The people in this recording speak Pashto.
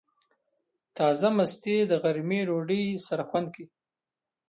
تازه مستې د غرمې ډوډۍ سره خوند کوي.